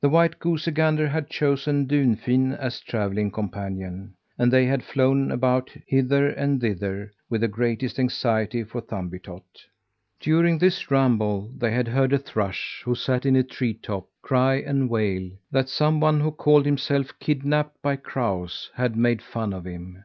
The white goosey gander had chosen Dunfin as travelling companion, and they had flown about hither and thither with the greatest anxiety for Thumbietot. During this ramble they had heard a thrush, who sat in a tree top, cry and wail that someone, who called himself Kidnapped by Crows, had made fun of him.